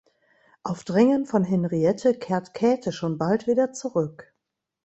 Auf Drängen von Henriette kehrt Käthe schon bald wieder zurück.